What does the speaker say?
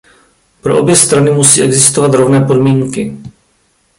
Pro obě strany musí existovat rovné podmínky.